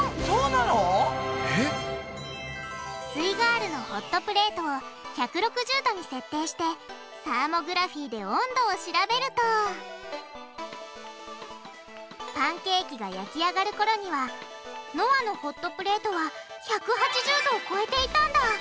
イガールのホットプレートを１６０℃に設定してサーモグラフィーで温度を調べるとパンケーキが焼き上がるころにはのあのホットプレートは１８０℃を超えていたんだ！